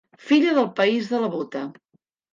Filla del país de la bota.